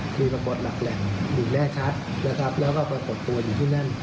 มีประบบหลักแหล่งอยู่แน่ชัดแล้วก็ประกดตัวอยู่ที่นั่น